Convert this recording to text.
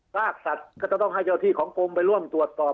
รากสัดก็ต้องให้เจ้าที่ของกรมไปร่วมดูอตอบ